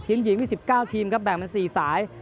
หญิงมี๑๙ทีมครับแบ่งเป็น๔สาย